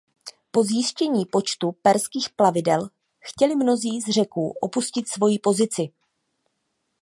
Po zjištění počtu perských plavidel chtěli mnozí z Řeků opustit svoji pozici.